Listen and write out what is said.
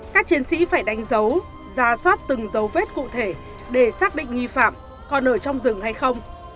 các chiến sĩ phải đánh dấu ra soát từng dấu vết cụ thể để xác định nghi phạm còn ở trong rừng hay không